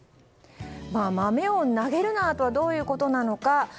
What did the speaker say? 豆を投げるな！とはどういうことなのか？